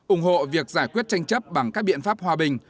ủng hộ việc giải quyết tranh chấp bằng các biện pháp hòa bình